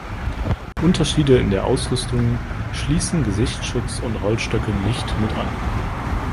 Unterschiede in der Ausrüstung schließen Gesichtsschutz und Holzstöcke nicht mit ein.